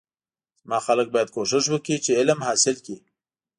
زما خلک باید کوشش وکړی چی علم حاصل کړی